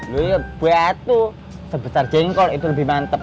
lho ya batu sebesar jengkol itu lebih mantep